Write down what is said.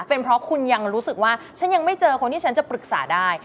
เป็นเพราะคุณยังรู้สึกว่าฉันยังไม่เจอคนที่ฉันจะปรึกษาได้